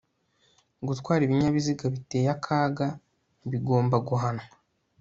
gutwara ibinyabiziga biteye akaga bigomba guhanwa